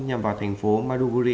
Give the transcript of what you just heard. nhằm vào thành phố maruguri